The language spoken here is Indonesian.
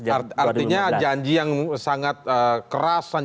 artinya janji yang sangat keras